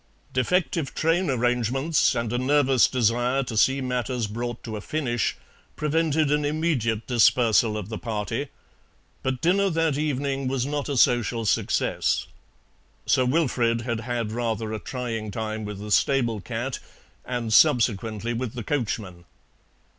Defective train arrangements and a nervous desire to see matters brought to a finish prevented an immediate dispersal of the party, but dinner that evening was not a social success. Sir Wilfrid had had rather a trying time with the stable cat and subsequently with the coachman.